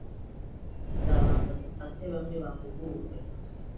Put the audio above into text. Tuzabanza dufate bamwe bahugurwe,